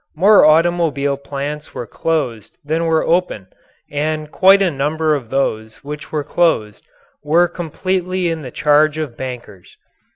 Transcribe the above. More automobile plants were closed than were open and quite a number of those which were closed were completely in the charge of bankers.